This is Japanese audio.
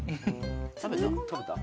食べた？